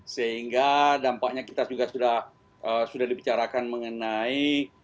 sehingga dampaknya kita juga sudah dibicarakan mengenai